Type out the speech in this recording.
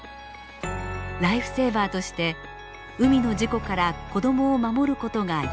ライフセーバーとして海の事故から子どもを守ることが夢でした。